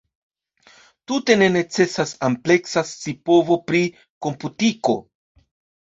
Tute ne necesas ampleksa scipovo pri komputiko.